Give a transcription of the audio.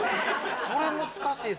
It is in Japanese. それ難しいですよね。